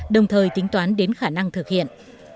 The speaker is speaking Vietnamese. đồng thời tính toán đến khả năng thực hiện